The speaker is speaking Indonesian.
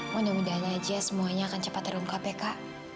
mudah mudahan aja semuanya akan cepat terungkap ya kak